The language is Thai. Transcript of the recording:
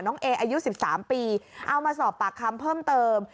เออายุ๑๓ปีเอามาสอบปากคำเพิ่มเติม